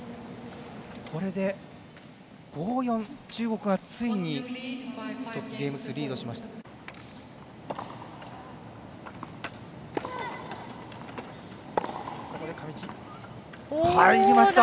これで、５−４中国がついに１つゲーム数リードしました。